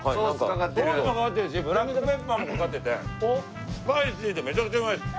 ソースがかかってるしブラックペッパーもかかっててスパイシーでめちゃくちゃうまいです！